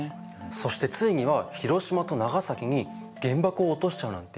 そしてついには広島と長崎に原爆を落としちゃうなんて。